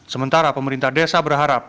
sementara pemerintah desa berharap